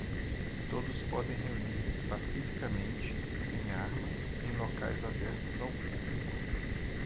todos podem reunir-se pacificamente, sem armas, em locais abertos ao público